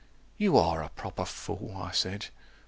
You are a proper fool, I said.